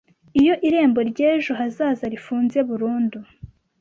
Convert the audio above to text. Iyo irembo ry'ejo hazaza rifunze burundu